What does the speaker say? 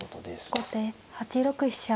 後手８六飛車。